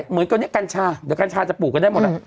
เหมือนตอนนี้กัญชาเดี๋ยวกัญชาจะปลูกกันได้หมดแล้ว